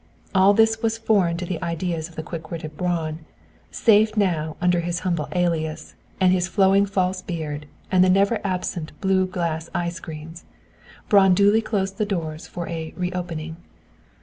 All this was foreign to the ideas of the quick witted Braun, safe now under his humble alias, and his flowing false beard and the never absent blue glass eye screens. Braun duly closed the doors for a "reopening."